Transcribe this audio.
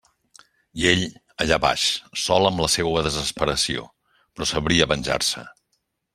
I ell... allà baix, sol amb la seua desesperació; però sabria venjar-se.